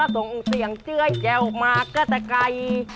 ส่งเสียงเจ้อยแก้วมาก็แต่ใกล้